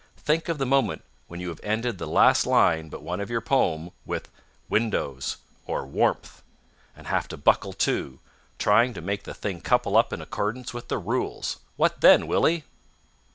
Think of the moment when you have ended the last line but one of your poem with 'windows' or 'warmth' and have to buckle to, trying to make the thing couple up in accordance with the rules! What then, Willie?"